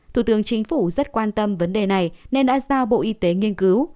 thủ tướng chính phủ rất quan tâm vấn đề này nên đã giao bộ y tế nghiên cứu